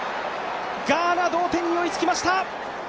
ガーナ、同点に追いつきました！